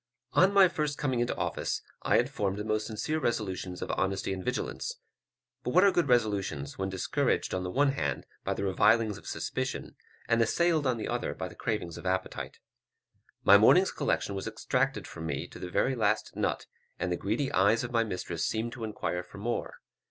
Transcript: On my first coming into office, I had formed the most sincere resolutions of honesty and vigilance; but what are good resolutions, when discouraged on the one hand by the revilings of suspicion, and assailed on the other by the cravings of appetite? My morning's collection was exacted from me to the very last nut, and the greedy eyes of my mistress seemed to inquire for more.